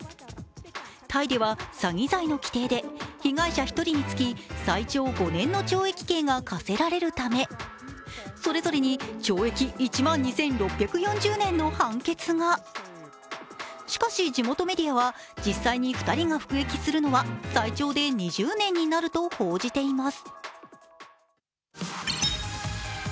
タイでは詐欺罪の規定で被害者１人につき最長５年の懲役刑が科せられるためそれぞれに懲役１万２６４０年の判決がしかし地元メディアは実際に２人が服役するのは、最長で２０年になると報じています。